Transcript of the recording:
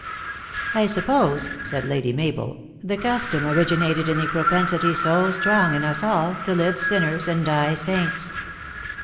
" I suppose," said Lady Mabel, " the custom origin ated in the propensity so strong in us all, to live sin ners and die saints."